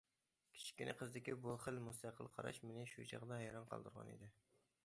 كىچىككىنە قىزدىكى بۇ خىل مۇستەقىل قاراش مېنى شۇ چاغدا ھەيران قالدۇرغان ئىدى.